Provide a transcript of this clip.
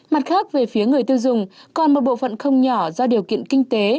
mặt khác về phía người tiêu dùng còn một bộ phận không nhỏ do điều kiện kinh tế